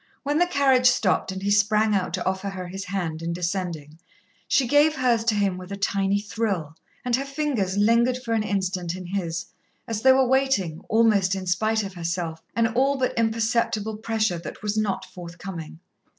When the carriage stopped and he sprang out to offer her his hand in descending, she gave hers to him with a tiny thrill, and her fingers lingered for an instant in his, as though awaiting, almost in spite of herself, an all but imperceptible pressure that was not forthcoming.